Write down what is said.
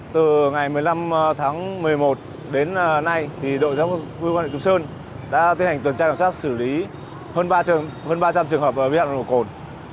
từ ngày một mươi năm tháng một mươi một đến nay đội giáo quân quân địa cụm sơn đã thiết hành tuần trai cầu soát xử lý hơn ba trăm linh trường hợp vi phạm giao thông cồn